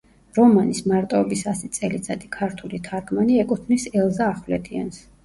რომანის, „მარტოობის ასი წელიწადი“, ქართული თარგმანი ეკუთვნის ელზა ახვლედიანს.